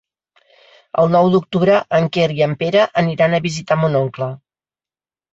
El nou d'octubre en Quer i en Pere aniran a visitar mon oncle.